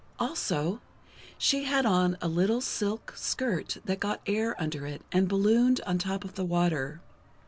Also, she had on a little silk skirt that got air under it and ballooned on top of the water.